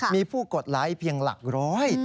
มีผู้กดไลค์เพียงหลักร้อย